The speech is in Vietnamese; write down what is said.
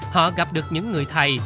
họ gặp được những người thầy